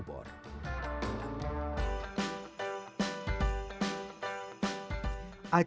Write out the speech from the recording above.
pembangkitan yesus kristus